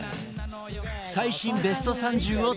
最新ベスト３０を大発表